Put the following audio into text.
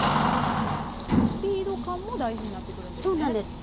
スピード感も大事になってくるんですね。